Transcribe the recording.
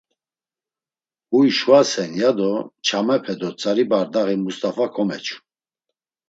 “Huy şvasen…” ya do ç̌amepe do tzari bardaği Must̆afa komeçu.